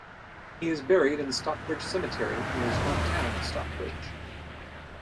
He is buried in Stockbridge Cemetery, in his home town of Stockbridge.